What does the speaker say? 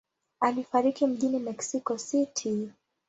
Alifariki mjini Mexico City.